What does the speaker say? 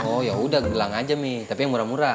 oh yaudah gelang aja mi tapi yang murah dua